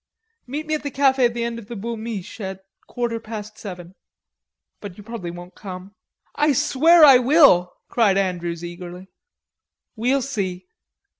Meet me at the cafe at the end of the Boul' Mich' at a quarter past seven.... But you probably won't come." "I swear I will," cried Andrews eagerly. "We'll see!"